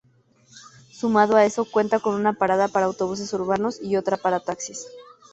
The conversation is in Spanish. Sumado a eso, cuenta con una parada para autobuses urbanos y otra para taxis.